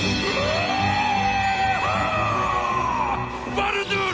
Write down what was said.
バルドゥール！